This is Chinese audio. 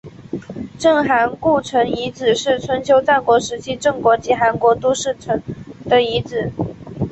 郑韩故城遗址是春秋战国时期郑国及韩国都城的遗址。